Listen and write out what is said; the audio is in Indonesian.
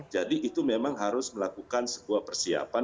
jadi itu memang harus melakukan sebuah persiapan